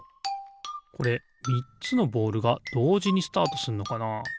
これみっつのボールがどうじにスタートすんのかな？